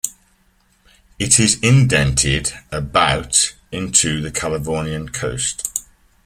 It is indented about into the California coast.